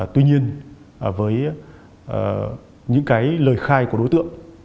tuy nhiên với những lời khai của đối tượng